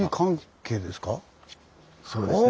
そうですね。